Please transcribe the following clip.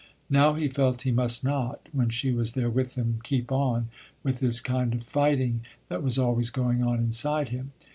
Now he felt he must not, when she was there with him, keep on, with this kind of fighting that was always going on inside him.